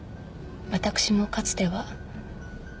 私もかつては。